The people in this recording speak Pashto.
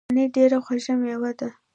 مڼې ډیره خوږه میوه ده.